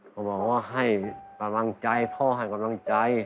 เขาบอกว่าให้กำลังใจพ่อให้กำลังใจ